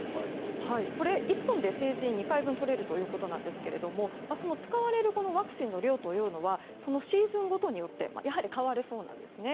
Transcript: これ、１本で成人２回分が取れるということですが使われるワクチンの量というのはシーズンごとによって変わるそうなんです。